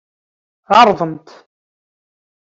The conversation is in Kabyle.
Ɛeṛḍemt-t.